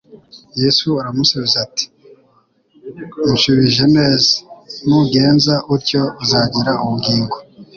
Yesu aramusubiza ati: « Unshubije neza... nugenza utyo uzagira ubugingo.»